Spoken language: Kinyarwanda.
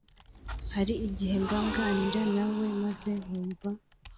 Hari igihe mba nganira na we maze nkumva